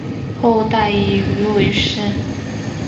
后代以鱼为氏。